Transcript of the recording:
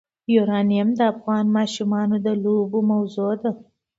یورانیم د افغان ماشومانو د لوبو موضوع ده.